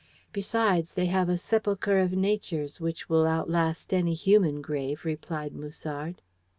Besides, they have a sepulchre of Nature's which will outlast any human grave," replied Musard.